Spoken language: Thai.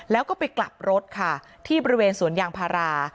แล้วก็ไปกลับรถค่ะที่บริเวณสวนยางพารา